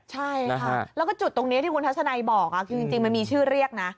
ใช่ค่ะแล้วก็จุดตรงนี้ที่คุณทัศนัยบอกคือจริงมันมีชื่อเรียกนะ